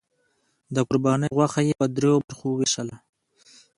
د قربانۍ غوښه یې په دریو برخو وویشله.